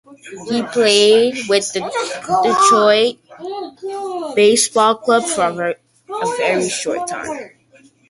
He played with the Detroit Base Ball Club for a short time.